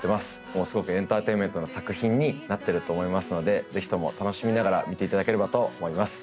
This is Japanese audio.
ものすごくエンターテインメントの作品になってると思いますのでぜひとも楽しみながら見ていただければと思います